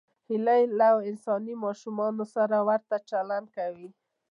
هیلۍ له انساني ماشومانو سره ورته چلند کوي